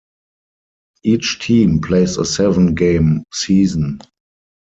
Each team plays a seven-game season.